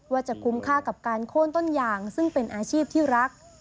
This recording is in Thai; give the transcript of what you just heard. ว่าจะคุ้มค่ากับการโค้นต้นยางซึ่งเป็นอาชีพที่รัก